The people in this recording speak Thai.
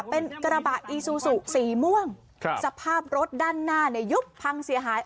เป็นกระบะอีซูซูสีม่วงครับสภาพรถด้านหน้าเนี่ยยุบพังเสียหาย